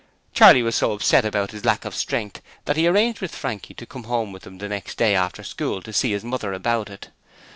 Charley was so upset about his lack of strength that he arranged with Frankie to come home with him the next day after school to see his mother about it.